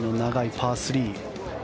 パー３。